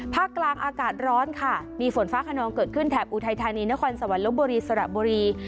ภาคกลางอากาศร้อนค่ะมีฝนฟ้าขนองเกิดขึ้นแถบอุทัยธานีนครสวรรบบุรีสระบุรี